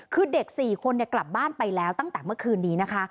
คือเด็ก๔คนกลับบ้านไปแล้วตั้งแต่เมื่อคืนนี้นะคะ